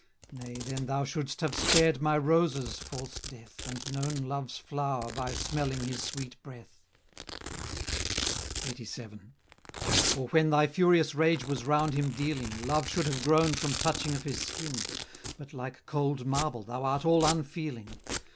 Nay, then thou should'st have spared my roses, false Death, And known Love's flow'r by smelling his sweet breath;" LXXXVII. "Or, when thy furious rage was round him dealing, Love should have grown from touching of his skin; But like cold marble thou art all unfeeling.